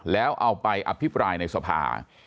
แล้วเอาไปอภิปรายในสภา